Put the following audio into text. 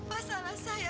apa salah saya